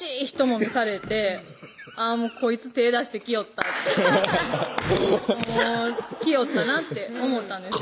１もみされてあぁこいつ手出してきよった来よったなって思ったんです